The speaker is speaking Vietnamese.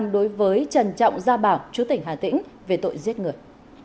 đối với trần trọng gia bảo chú tỉnh hà tĩnh về tội giết người